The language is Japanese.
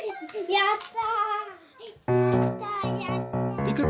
やった！